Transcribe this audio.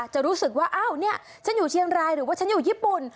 จะรู้สึกว่าอ้าวเนี่ยฉันอยู่เชียงรายหรือว่าฉันอยู่ญี่ปุ่น